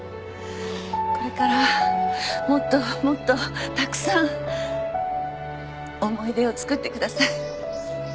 これからもっともっとたくさん思い出をつくってください。